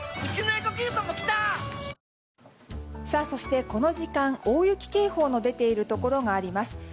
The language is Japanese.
そして、この時間大雪警報の出ているところがあります。